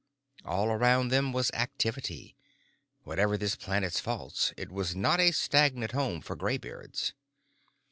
All around them was activity. Whatever this planet's faults, it was not a stagnant home for graybeards.